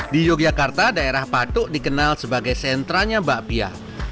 di yogyakarta daerah patuk dikenal sebagai sentranya bakpia